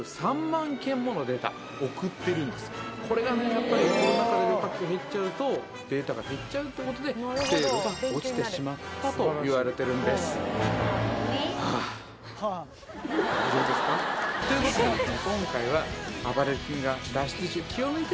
やっぱりコロナ禍で旅客機が減っちゃうとデータが減っちゃうってことで精度が落ちてしまったといわれてるんですということでですね